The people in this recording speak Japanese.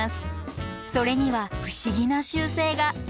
それには不思議な習性が。